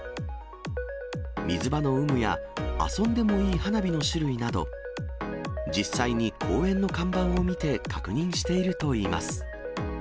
水場の有無や、遊んでもいい花火の種類など、実際に公園の看板を見て確認しているといいます。